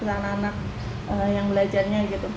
ke anak anak yang belajarnya gitu